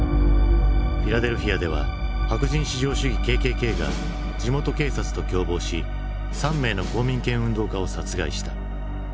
フィラデルフィアでは白人至上主義ＫＫＫが地元警察と共謀し３名の公民権運動家を殺害した。